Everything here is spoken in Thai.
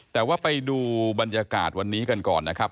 แต่ว่าไปดูบรรยากาศวันนี้กันก่อนนะครับ